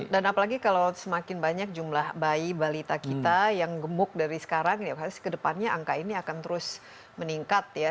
dan apalagi kalau semakin banyak jumlah bayi balita kita yang gemuk dari sekarang ya pasti kedepannya angka ini akan terus meningkat ya